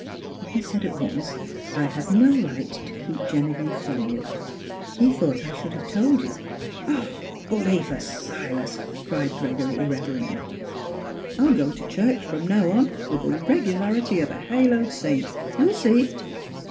"" He said at once I had no right to keep Genevieve from you. He thought I should have told you —"" Bully for Silas !" cried Gregory ir reverently. " I'll go to church from now on with the regularity of a haloed saint. You'll see